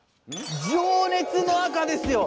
情熱の赤ですよ！